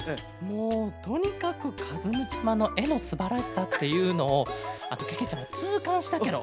もうとにかくかずむちゃまのえのすばらしさっていうのをけけちゃまつうかんしたケロ。